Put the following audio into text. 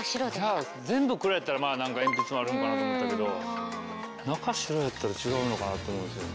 じゃあ全部黒やったらまあ何かえんぴつもあるんかなと思ったけど中白やったら違うのかなと思うんですよね。